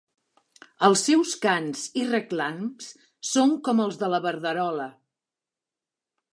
Els seus cants i reclams són com els de la verderola.